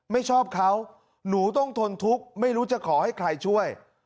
ไม่ชอบเขาหนูต้องทนทุกข์ไม่รู้จะขอให้ใครช่วย